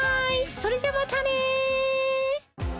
それじゃまたね！